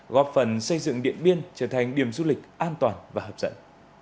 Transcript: góp phần xây dựng điện biên trở thành điểm du lịch an toàn và hấp dẫn